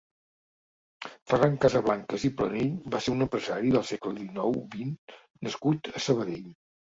Ferran Casablancas i Planell va ser un empresari del segle dinou - vint nascut a Sabadell.